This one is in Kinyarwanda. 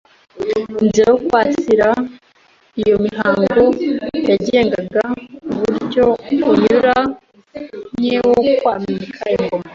Inzira yo kwasira: iyo mihango yagengaga uuryo unyuranye wo kwamika ingoma